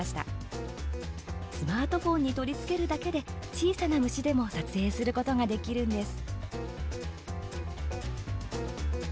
スマートフォンに取り付けるだけで小さな虫でも撮影することができるんです。